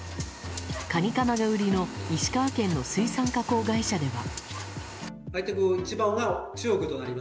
カニカマが売りの石川県の水産加工会社では。